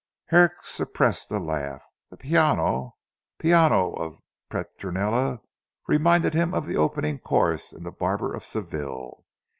Herrick suppressed a laugh. The "Piano! Piano" of Petronella reminded him of the opening chorus in the Barber of Seville.